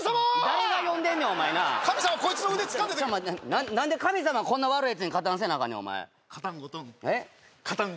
誰が呼んでんねんお前な神様こいつの腕つかんでてなんで神様こんな悪いやつに加担せなあかんねんお前かたんゴトンかたん